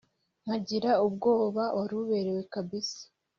nkagira ubwoba waruberewe kabisa.